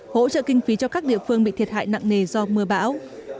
hỗ trợ kinh phí cho các địa phương bị thiệt hại nặng nề do mưa bão